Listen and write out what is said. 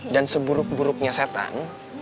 dan seburuk buruknya setan